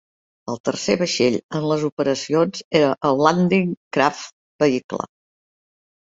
El tercer vaixell en les operacions era el Landing Craft Vehicle.